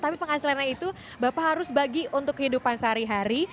tapi penghasilannya itu bapak harus bagi untuk kehidupan sehari hari